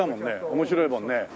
面白いもんね。